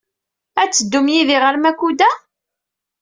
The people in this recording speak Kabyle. Ad teddum yid-i ɣer Makuda?